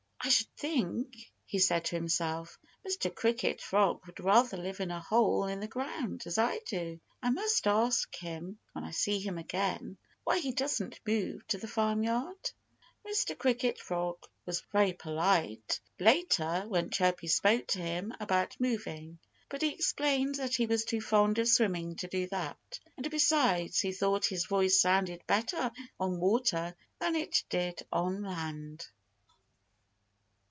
"I should think," he said to himself, "Mr. Cricket Frog would rather live in a hole in the ground, as I do.... I must ask him, when I see him again, why he doesn't move to the farmyard." Mr. Cricket Frog was very polite, later, when Chirpy spoke to him about moving. But he explained that he was too fond of swimming to do that. And besides, he thought his voice sounded better on water than it did on land.